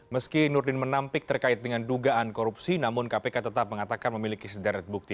meski nurdin menampik terkait dengan dugaan korupsi namun kpk tetap mengatakan memiliki sederet bukti